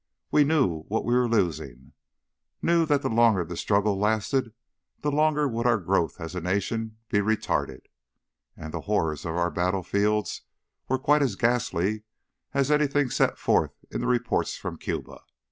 We knew what we were losing, knew that the longer the struggle lasted the longer would our growth as a nation be retarded, and the horrors of our battlefields were quite as ghastly as anything set forth in the reports from Cuba.